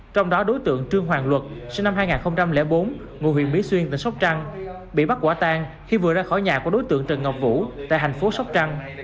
trong đó đối tượng trương hoàng luật sinh năm hai nghìn bốn ngôi huyện mỹ xuyên tỉnh sóc trăng bị bắt quả tan khi vừa ra khỏi nhà của đối tượng trần ngọc vũ tại thành phố sóc trăng